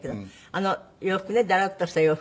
あの洋服ねダラッとした洋服。